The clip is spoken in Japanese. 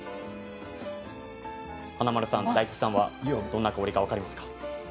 華丸さん、大吉さんはどんな香りか分かりますか？